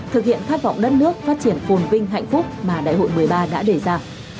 thực hiện khát vọng đất nước phát triển phồn vinh hạnh phúc mà đại hội một mươi ba đã đề ra